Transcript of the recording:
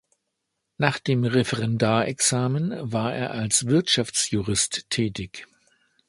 Nach dem Referendarexamen war er als Wirtschaftsjurist tätig.